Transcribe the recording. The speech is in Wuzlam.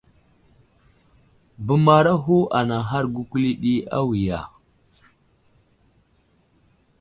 Bəmaraho anaŋhar gukuli ɗi awiya.